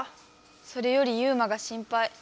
それよりユウマが心配。